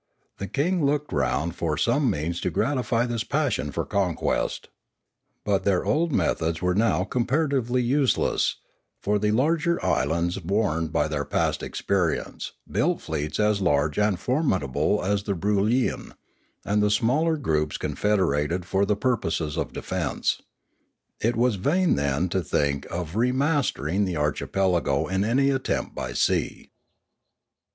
The new king looked round for some means to gratify this passion for conquest. But Another Threat 49 l their old methods were now comparatively useless; for the other large islands, warned by their past experi ence, built fleets as large and formidable as the Brool yian, and the smaller groups confederated for the pur poses of defence. It was vain then to think of re mas tering the archipelago in any attempt by sea.